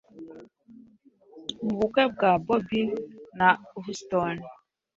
mu bukwe bwa Bobby na Houston